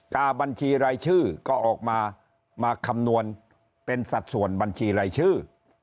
บัญชีรายชื่อก็ออกมามาคำนวณเป็นสัดส่วนบัญชีรายชื่อ